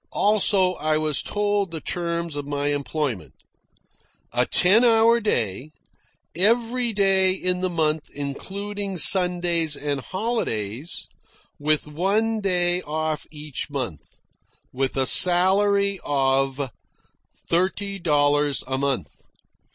Also, I was told the terms of my employment a ten hour day, every day in the month including Sundays and holidays, with one day off each month, with a salary of thirty dollars a month.